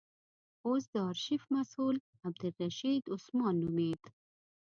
اوس د آرشیف مسئول عبدالرشید عثمان نومېد.